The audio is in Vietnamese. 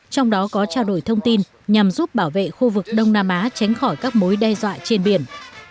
trong đó có trao đổi thông tin nhằm giúp bảo vệ khu vực đông nam á tránh khỏi các mối đe dọa trên biển